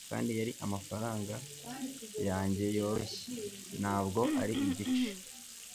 Kandi yari amafaranga yanjyeyoroshye ntabwo ari igice